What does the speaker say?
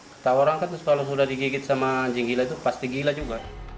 kata orang kan terus kalau sudah digigit sama anjing gila itu pasti gila juga